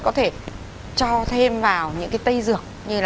có thể cho thêm vào những cái tây dược